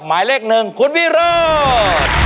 หมายเลขหนึ่งคุณพี่รอด